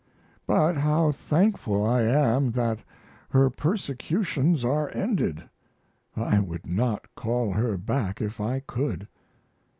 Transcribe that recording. But how thankful I am that her persecutions are ended! I would not call her back if I could.